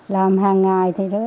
làm hàng ngày